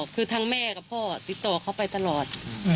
คือทางแม่กับพ่อติดต่อเขาไปตลอด